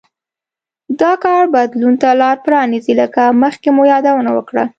دا کار بدلون ته لار پرانېزي لکه مخکې مو یادونه وکړه